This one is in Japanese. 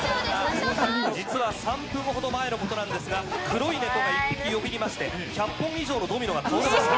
実は３分ほど前のことなんですが、黒い猫が１匹よぎりまして、１００本以上のドミノが倒れました。